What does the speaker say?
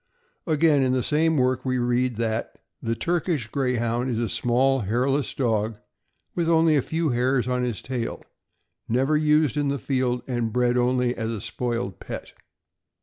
Again, in the same work, we read that '' the Turkish Greyhound is a small sized hairless dog, or with only a few hairs on his tail; never used in the field, and bred only as a spoiled pet."